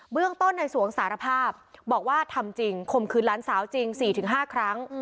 เรื่องต้นในสวงสารภาพบอกว่าทำจริงคมคืนหลานสาวจริง๔๕ครั้ง